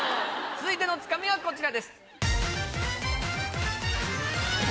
続いてのツカミはこちらです。